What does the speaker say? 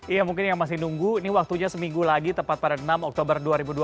iya mungkin yang masih nunggu ini waktunya seminggu lagi tepat pada enam oktober dua ribu dua puluh